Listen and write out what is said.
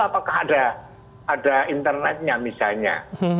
apakah ada internetnya misalnya